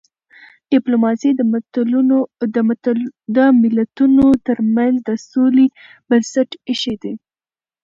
ډيپلوماسي د ملتونو ترمنځ د سولي بنسټ ایښی دی.